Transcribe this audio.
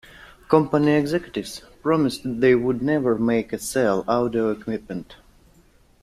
Company executives promised they would never make or sell audio equipment.